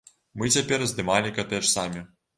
Мы цяпер здымалі катэдж самі.